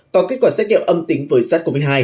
có kết quả xét nghiệm âm tính với sars cov hai